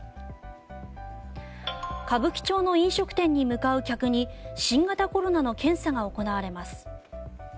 歌舞伎町の飲食店に向かう客に新型コロナの検査が行われます。